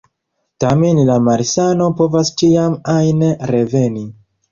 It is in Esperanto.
Tamen la malsano povas ĉiam ajn reveni.